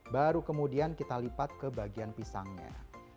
baru kemudian kita lipat ke bagian pisangnya